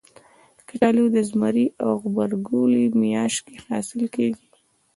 کچالو د زمري او غبرګولي میاشت کې حاصل کېږي